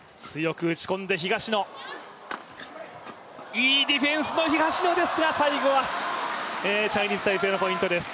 いいディフェンスの東野ですが最後はチャイニーズ・タイペイのポイントです。